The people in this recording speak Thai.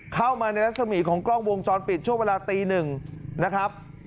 เข้ามาในรัศมีของกล้องวงจรปิดช่วงเวลาตีหนึ่งนะครับ